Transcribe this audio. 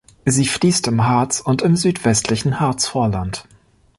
Sie fließt im Harz und im südwestlichen Harzvorland.